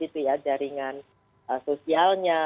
itu ya jaringan sosialnya